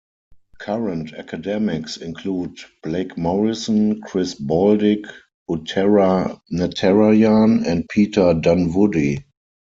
Current academics include Blake Morrison, Chris Baldick, Uttara Natarajan and Peter Dunwoodie.